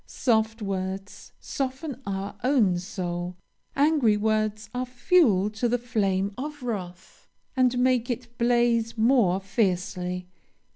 Soft words soften our own soul. Angry words are fuel to the flame of wrath, and make it blaze more fiercely.